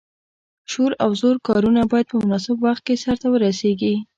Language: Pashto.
شور او زور کارونه باید په مناسب وخت کې سرته ورسیږي.